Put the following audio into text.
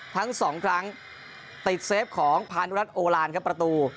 ทั้งสองครั้งติดเซฟของพานุรัติโอลานครับประตู